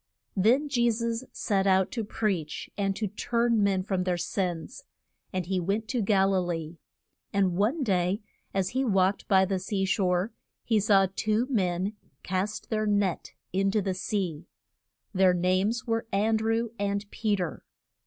Then Je sus set out to preach and to turn men from their sins. And he went to Gal i lee. And one day as he walked by the sea shore he saw two men cast their net in to the sea. Their names were An drew and Pe ter.